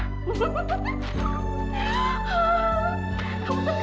kamu terkenal sekarang